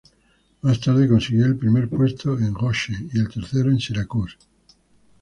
Más tarde consiguió el primer puesto en Goshen y el tercero en Syracuse.